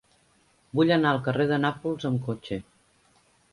Vull anar al carrer de Nàpols amb cotxe.